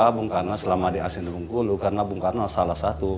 karena bung karno selama diasing di bung karno karena bung karno salah satu